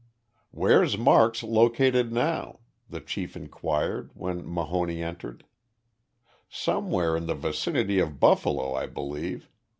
"Where's Marks located now?" the chief inquired when Mahoney entered. "Somewhere in the vicinity of Buffalo, I believe.